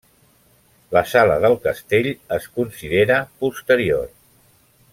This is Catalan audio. La sala del castell es considera posterior.